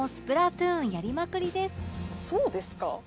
「そうですか？